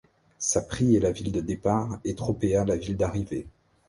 Sapri est la ville de départ, et Tropea la ville d'arrivée.